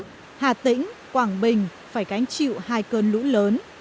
chỉ trong vòng tháng hà tĩnh quảng bình phải cánh chịu hai cơn lũ lớn